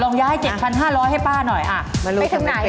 ลองย้าย๗๕๐๐ให้ป๊าหน่อยเอาไปถึงไหนอาวเหมือน๗๕๐๐๒๐ใช่มั้ย